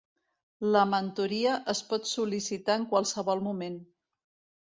La mentoria es pot sol·licitar en qualsevol moment.